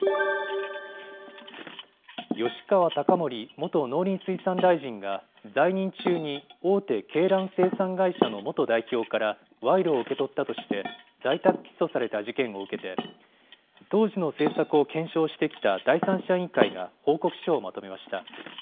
吉川貴盛元農林水産大臣が、在任中に大手鶏卵生産会社の元代表から賄賂を受け取ったとして、在宅起訴された事件を受けて、当時の政策を検証してきた第三者委員会が報告書をまとめました。